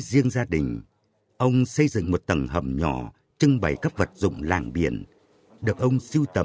với riêng gia đình ông xây dựng một tầng hầm nhỏ trưng bày các vật dụng làng biển được ông siêu tầm hơn một mươi năm qua